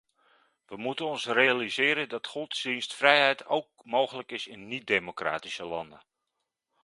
We moeten ons realiseren dat godsdienstvrijheid ook mogelijk is in niet-democratische landen.